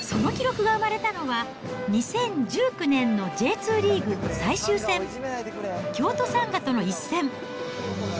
その記録が生まれたのは２０１９年のＪ２リーグ最終戦、京都サンガとの一戦。